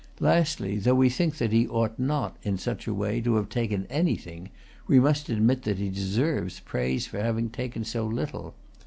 Lastly, though we think that he ought not in such a way to have taken anything, we must admit that he deserves praise for having taken so little.